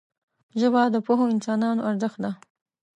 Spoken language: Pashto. ژبه د پوهو انسانانو ارزښت ده